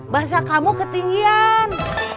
bahasa kamu ketinggian